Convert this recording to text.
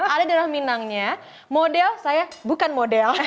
ada di dalam minangnya model saya bukan model